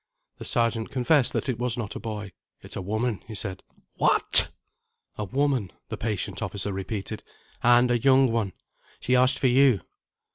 The Sergeant confessed that it was not a boy. "It's a woman," he said. "What!!!" "A woman," the patient officer repeated "and a young one. She asked for You."